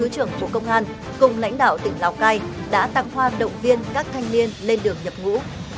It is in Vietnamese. của công an cùng lãnh đạo tỉnh nào cai đã tăng hoa động viên các thanh niên lên được nhập ngũ